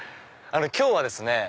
今日はですね